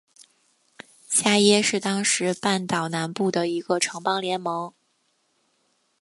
伽倻是当时半岛南部的一个城邦联盟。